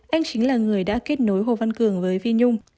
anh chính là người đã kết nối hồ văn cường với vi nhung